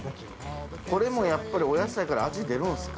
これもやっぱりお野菜から味出るんすか？